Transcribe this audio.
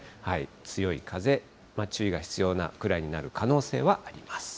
強い風、注意が必要なくらいになる可能性はあります。